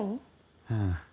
うん。